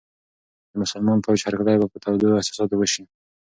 د مسلمان فوج هرکلی به په تودو احساساتو وشي.